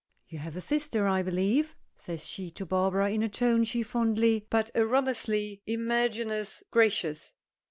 "You have a sister, I believe," says she to Barbara in a tone she fondly but erroneously imagines gracious.